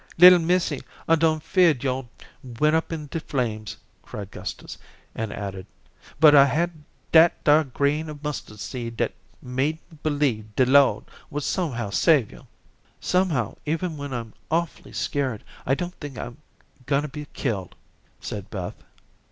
"Little missy, I done feared yo'd went up in de flames," cried Gustus, and added, "but I had dat dar grain of mustard seed dat made me b'lieve de Lo'd would somehow save yo'." "Somehow, even when I'm awfully scared, I don't think I'm going to be killed," said Beth.